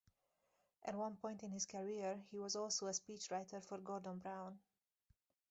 At one point in his career he was also a speechwriter for Gordon Brown.